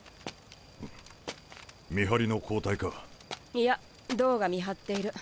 いやドウが見張っている。